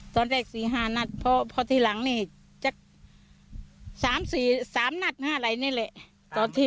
ตอนแรกสี่ห้านัดเพราะเพราะทีหลังเนี่ยจั๊กสามสี่สามนัดห้านัดอะไรเนี่ยเลยตอนที่